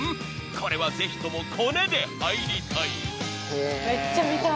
［これはぜひともコネで入りたい］